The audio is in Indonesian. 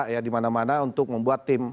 ya dimana mana untuk membuat tim